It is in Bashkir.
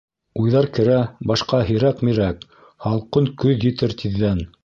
Уйҙар керә башҡа һирәк-мирәк, Һалҡын көҙ етер тиҙҙән.